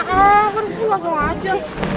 harusnya langsung aja